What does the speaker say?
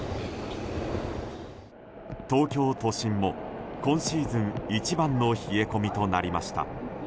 東京都心も、今シーズン一番の冷え込みとなりました。